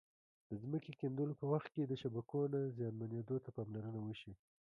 د ځمکې کیندلو په وخت کې د شبکو نه زیانمنېدو ته پاملرنه وشي.